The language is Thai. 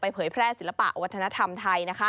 เผยแพร่ศิลปะวัฒนธรรมไทย